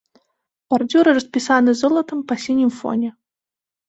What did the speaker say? Бардзюры распісаны золатам па сінім фоне.